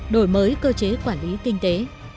ba đổi mới cơ chế quản lý kinh tế